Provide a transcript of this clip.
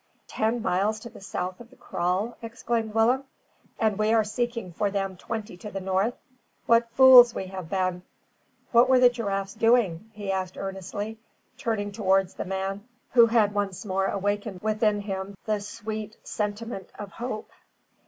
"Ten miles to the south of the kraal!" exclaimed Willem, "and we seeking for them twenty to the north. What fools we have been. What were the giraffes doing?" he asked earnestly, turning towards the man who had one more awakened within him the sweet sentiment of hope.